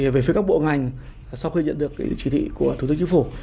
về phía các bộ ngành sau khi nhận được chỉ thị của thủ tướng chính phủ